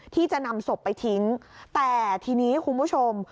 ที่จะนำศพไปทิ้งแต่ทีนี้คุณผู้ชม